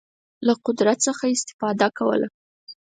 له قدرت څخه استفاده کوله.